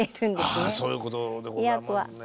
ああそういうことでございますね。